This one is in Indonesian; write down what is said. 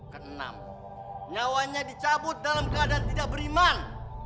keenam nyawanya dicabut dalam keadaan tidak beriman